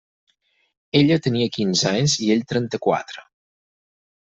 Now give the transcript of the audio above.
Ella tenia quinze anys i ell trenta-quatre.